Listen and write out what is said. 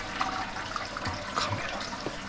カメラ！